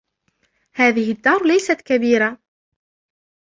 هذه الدار ليست كبيرة.